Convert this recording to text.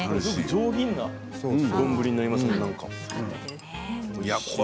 上品な丼になりますね。